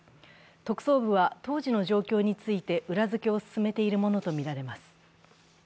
特捜部は当時の状況について裏付けを進めているものとみられます。